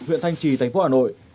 huyện thanh trì thành phố hà nội